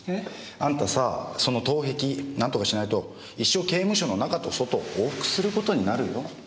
あんたさその盗癖なんとかしないと一生刑務所の中と外往復することになるよ。